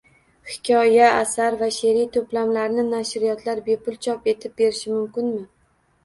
Hikoya, asar va she’riy to’plamlarni nashriyotlar bepul chop etib berishi mumkinmi?